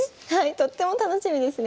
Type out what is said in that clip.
とっても楽しみですね。